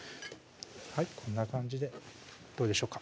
こんな感じでどうでしょうか